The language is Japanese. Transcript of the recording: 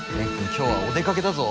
今日はお出かけだぞ。